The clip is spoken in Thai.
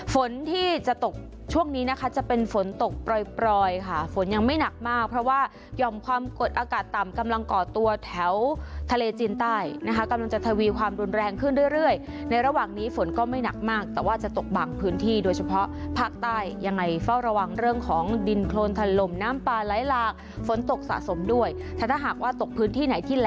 ฝนที่จะตกช่วงนี้นะคะจะเป็นฝนตกปล่อยค่ะฝนยังไม่หนักมากเพราะว่ายอมความกดอากาศต่ำกำลังก่อตัวแถวทะเลจีนใต้นะคะกำลังจะทวีความรุนแรงขึ้นเรื่อยในระหว่างนี้ฝนก็ไม่หนักมากแต่ว่าจะตกบางพื้นที่โดยเฉพาะภาคใต้ยังไงเฝ้าระวังเรื่องของดินโครนถล่มน้ำปลาไหลหลากฝนตกสะสมด้วยถ้าหากว่าตกพื้นที่ไหนที่